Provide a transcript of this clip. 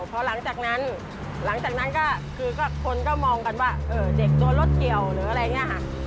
เพราะหลังจากนั้นคือคนก็มองกันว่าเด็กโดนรถเกี่ยวหรืออะไรอย่างนี้ค่ะ